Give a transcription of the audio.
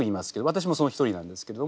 私もその一人なんですけれども。